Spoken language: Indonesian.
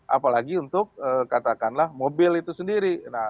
apalagi untuk katakanlah mobil itu sendiri